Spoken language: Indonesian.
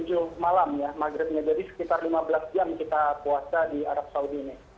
jadi sekitar lima belas jam kita puasa di arab saudi ini